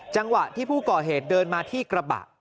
จังหวะที่ผู้ก่อเหตุเดินมาที่กระบะ